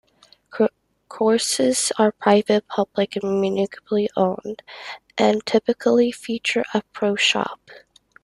Courses are private, public, and municipally owned, and typically feature a pro shop.